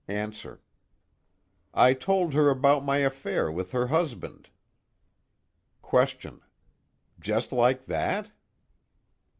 ANSWER: I told her about my affair with her husband. QUESTION: Just like that?